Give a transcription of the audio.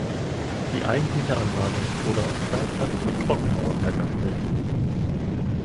Die eigentliche Anlage wurde aus Steinplatten und Trockenmauerwerk erstellt.